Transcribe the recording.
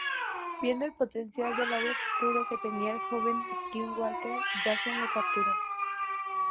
Viendo el potencial del lado oscuro que tenía el joven Skywalker, Jacen le capturó.